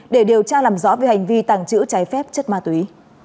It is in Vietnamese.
để điều tra làm rõ về hành vi tàng trữ trái phép chất ma túy